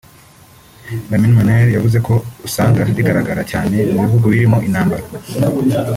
Lamin Manneh yavuze ko usanga rigaragara cyane mu bihugu birimo intambara